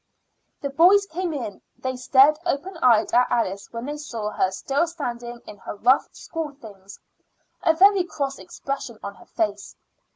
The boys came in. They stared open eyed at Alice when they saw her still sitting in her rough school things, a very cross expression on her face.